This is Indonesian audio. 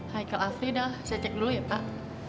heikel afridal saya cek dulu ya pak